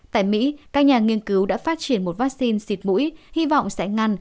tại mỹ các nhà nghiên cứu đã phát triển một vaccine xịt mũi hy vọng sẽ ngăn